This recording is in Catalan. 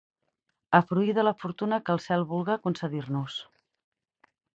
A fruir de la fortuna que el cel vulga concedir-nos.